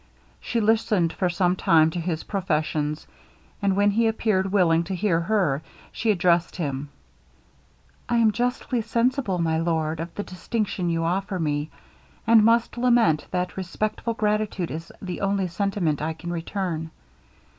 She listened for some time to his professions, and when he appeared willing to hear her, she addressed him 'I am justly sensible, my lord, of the distinction you offer me, and must lament that respectful gratitude is the only sentiment I can return.